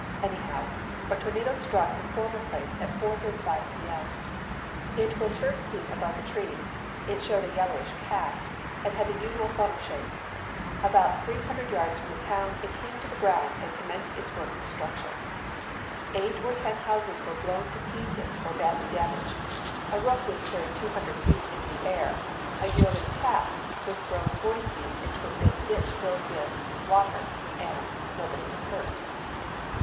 Anyhow, a tornado struck the former place at 4:35 P.M. It was first seen above the trees, it showed a yellowish cast, and had the usual funnel shape. About three hundred yards from the town it came to the ground and commenced its work of destruction. Eight or ten houses were blown to pieces, or badly damaged; a roof was carried two hundred feet into the air; a yearling calf was thrown forty [Illustration: VIEW IN THE RESIDENCE DISTRICT, LOUISVILLE.] feet into a big ditch filled with, water, and nobody was hurt.